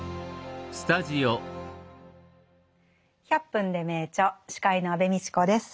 「１００分ｄｅ名著」司会の安部みちこです。